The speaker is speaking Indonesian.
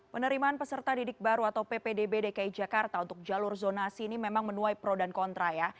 penerimaan peserta didik baru atau ppdb dki jakarta untuk jalur zonasi ini memang menuai pro dan kontra ya